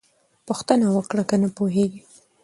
پوښتنه وکړه که نه پوهېږې.